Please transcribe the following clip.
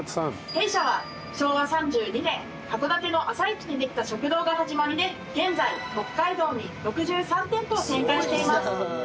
弊社は昭和３２年函館の朝市にできた食堂が始まりで現在北海道に６３店舗を展開しています。